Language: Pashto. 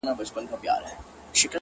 • انسان په طبیعت کي آزاد خلق سوی دی ,